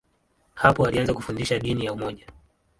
Hapo alianza kufundisha dini ya umoja.